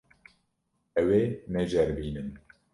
Ew ê neceribînin.